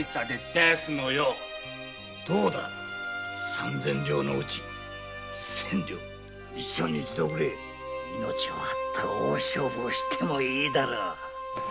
どうだ三千両のうち千両一生に一度ぐれえ命を張った大勝負をしてもいいだろう。